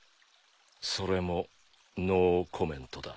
それもノーコメントだ。